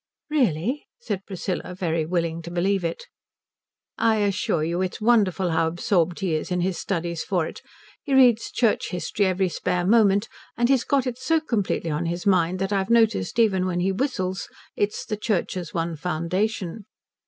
"Really?" said Priscilla, very willing to believe it. "I assure you it's wonderful how absorbed he is in his studies for it. He reads Church history every spare moment, and he's got it so completely on his mind that I've noticed even when he whistles it's 'The Church's One Foundation.'"